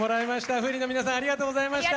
Ｆｏｏｒｉｎの皆さんありがとうございました。